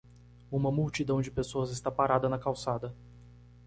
Uma multidão de pessoas está parada na calçada.